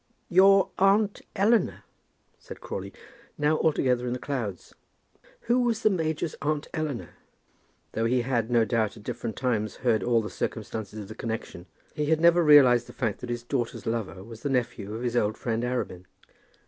"Your aunt Eleanor!" said Crawley, now altogether in the clouds. Who was the major's aunt Eleanor? Though he had, no doubt, at different times heard all the circumstances of the connection, he had never realized the fact that his daughter's lover was the nephew of his old friend, Arabin.